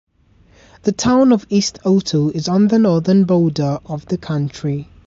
The town of East Otto is on the northern border of the county.